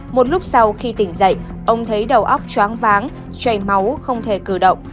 một lúc sau khi tỉnh dậy ông thấy đầu óc choáng váng chảy máu không thể cử động